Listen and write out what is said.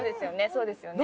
そうですよね。